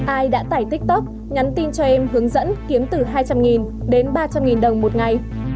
ai đã tải tiktok nhắn tin cho em hướng dẫn kiếm từ hai trăm linh đến ba trăm linh đồng một ngày